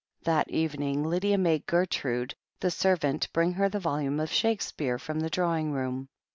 That evening Lydia made Gertrude, the servant, bring her the volume of Shakespeare from the draw ing room.